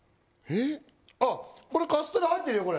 あっこれカステラ入ってるよこれ。